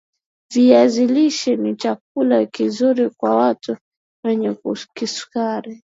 viazi lishe ni chakula kizuri kwa watu wenye kisukari